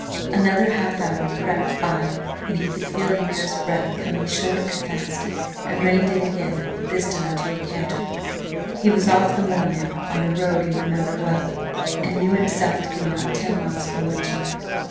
Another half hour crept by, and he could feel the mare's breath coming short and fast, and reined in again, this time to a canter. He was off the moor now, on a road he remembered well, and knew himself to be not ten miles from Wyncham.